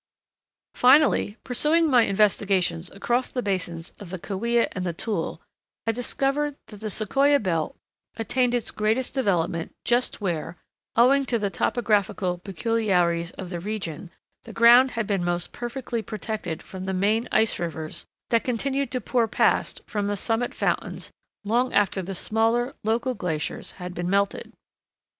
Finally, pursuing my investigations across the basins of the Kaweah and Tule, I discovered that the Sequoia belt attained its greatest development just where, owing to the topographical peculiarities of the region, the ground had been most perfectly protected from the main ice rivers that continued to pour past from the summit fountains long after the smaller local glaciers had been melted.